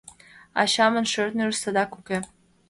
— Ачамын шӧртньыжӧ садак уке.